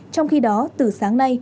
trong khi đó từ sáng nay